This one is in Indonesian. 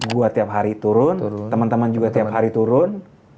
gue tiap hari turun teman teman juga tiap hari turun